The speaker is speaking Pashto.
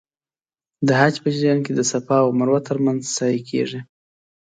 د حج په جریان کې د صفا او مروه ترمنځ سعی کېږي.